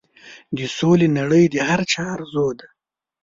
د سولې نړۍ د هر چا ارزو ده.